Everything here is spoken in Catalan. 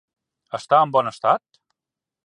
Està en bon estat?